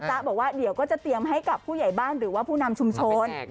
บอกว่าเดี๋ยวก็จะเตรียมให้กับผู้ใหญ่บ้านหรือว่าผู้นำชุมชน